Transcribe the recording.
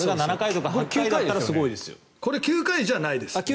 これ、９回じゃないです。